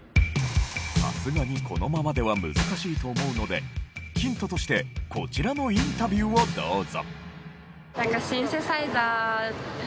さすがにこのままでは難しいと思うのでヒントとしてこちらのインタビューをどうぞ。